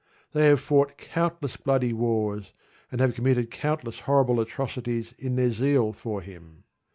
They have fought countless bloody wars and have committed countless horrible atrocities in their zeal for Him.